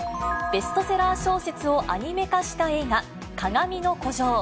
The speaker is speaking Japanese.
ベストセラー小説をアニメ化した映画、かがみの孤城。